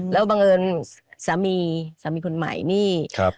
แล้วบังเอิญสามีคุณหมายนี่